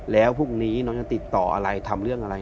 แล้วพรุ่งนี้น้องจะติดต่ออะไรทำเรื่องอะไร